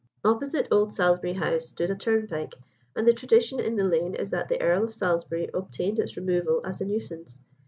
Opposite old Salisbury House stood a turnpike, and the tradition in the lane is that the Earl of Salisbury obtained its removal as a nuisance.